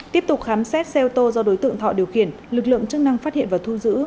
tiếp tục khám xét xe ô tô do đối tượng thọ điều khiển lực lượng chức năng phát hiện và thu giữ